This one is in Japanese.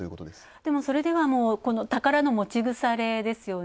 でも、それでは宝の持ち腐れですね。